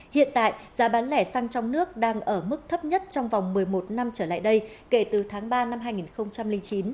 hiện tại giá bán lẻ xăng trong nước đang ở mức thấp nhất trong vòng một mươi một năm trở lại đây kể từ tháng ba năm hai nghìn chín